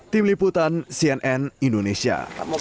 tim liputan cnn indonesia